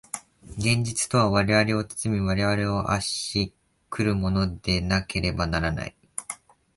現実とは我々を包み、我々を圧し来るものでなければならない。